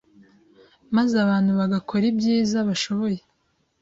maze abantu bagakora ibyiza bashoboye